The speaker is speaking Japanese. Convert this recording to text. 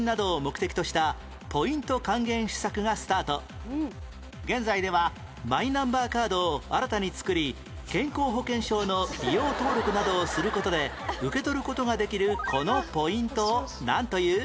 ３年前現在ではマイナンバーカードを新たに作り健康保険証の利用登録などをする事で受け取る事ができるこのポイントをなんという？